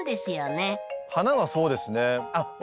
花はそうですね。